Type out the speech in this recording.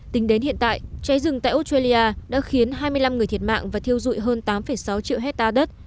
tính đến hiện tại cháy rừng tại australia đã khiến hai mươi năm người thiệt mạng và thiêu dụi hơn tám sáu triệu hectare đất